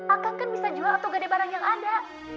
a'kan kan bisa jual atau nggak ada barang yang ada